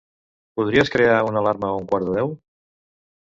Podries crear una alarma a un quart de deu?